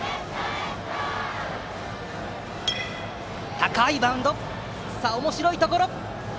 高いバウンド、おもしろいところ。